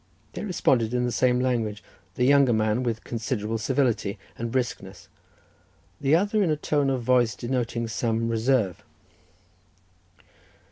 They responded in the same language, the younger man with considerable civility and briskness, the other in a tone of voice denoting some reserve.